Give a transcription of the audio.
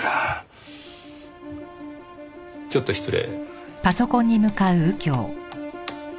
ちょっと失礼。